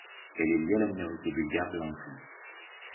Elle est liée à la minorité bulgare de Hongrie.